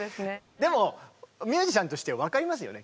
でもミュージシャンとして分かりますよね